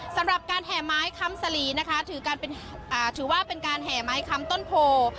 สำหรับการแห่ไม้คำสลีนะคะถือว่าเป็นการแห่ไม้คำต้นโพ